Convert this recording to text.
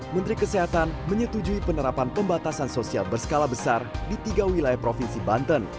menteri kesehatan menyetujui penerapan pembatasan sosial berskala besar di tiga wilayah provinsi banten